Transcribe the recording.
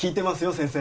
先生